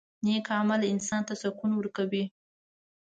• نیک عمل انسان ته سکون ورکوي.